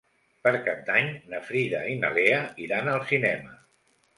Per Cap d'Any na Frida i na Lea iran al cinema.